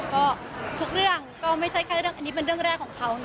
ก็ทุกเรื่องก็ไม่ใช่แค่เรื่องอันนี้เป็นเรื่องแรกของเขา